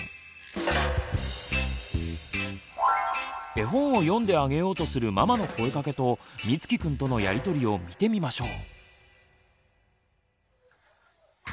絵本を読んであげようとするママの声かけとみつきくんとのやり取りを見てみましょう。